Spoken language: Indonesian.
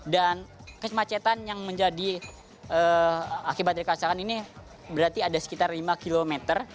dan kesemacetan yang menjadi akibat dari keselamatan ini berarti ada sekitar lima kilometer